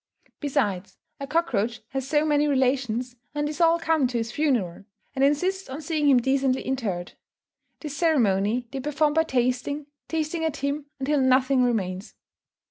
Besides, a cockroach has so many relations, and these all come to his funeral, and insist on seeing him decently interred. This ceremony they perform by tasting, tasting at him until nothing remains.